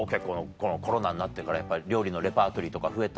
このコロナになってから料理のレパートリーとか増えた？